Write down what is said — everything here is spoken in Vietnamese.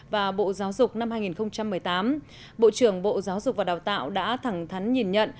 và bộ giáo dục năm hai nghìn một mươi tám bộ trưởng bộ giáo dục và đào tạo đã thẳng thắn nhìn nhận